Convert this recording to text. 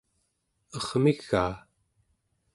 ermigaa